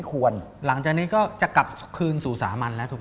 ก็จะกลับคืนสู่สามันแล้วถูกไหม